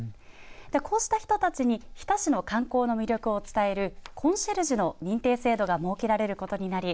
こうした人たちに日田市の観光の魅力を伝えるコンシェルジュの認定制度が設けられることになり